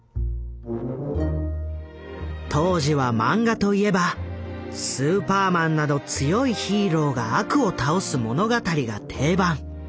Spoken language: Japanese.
当時はマンガといえば「スーパーマン」など強いヒーローが悪を倒す物語が定番。